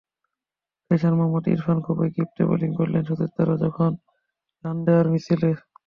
Pacer Mohammad Irfan খুবই কিপ্টে bowling করলেন, সতীর্থরা যখন রান দেওয়ার মিছিলে।